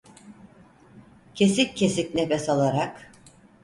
Kesik kesik nefes alarak: